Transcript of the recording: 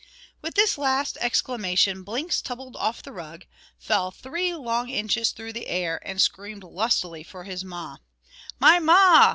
With this last exclamation Blinks tumbled off the rug, fell three long inches through the air, and screamed lustily for his ma. "My ma!